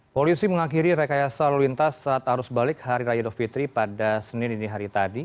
polisi mengakhiri rekayasa lalu lintas saat harus balik hari raya dovitri pada senin ini hari tadi